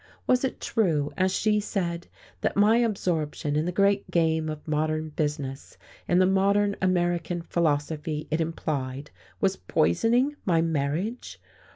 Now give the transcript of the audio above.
Was it true, as she said, that my absorption in the great game of modern business, in the modern American philosophy it implied was poisoning my marriage?